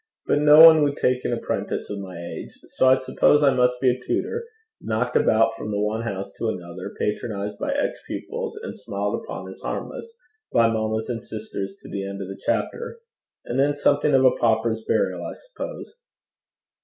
But no one would take an apprentice of my age. So I suppose I must be a tutor, knocked about from one house to another, patronized by ex pupils, and smiled upon as harmless by mammas and sisters to the end of the chapter. And then something of a pauper's burial, I suppose.